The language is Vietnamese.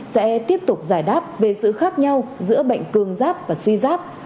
sẽ tiếp tục giải đáp về sự khác nhau giữa bệnh cương giáp và suy giáp